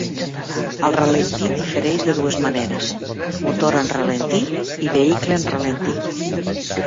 El ralentí difereix de dues maneres: motor en ralentí i vehicle en ralentí.